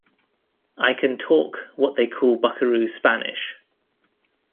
I can talk what they call buckaroo Spanish.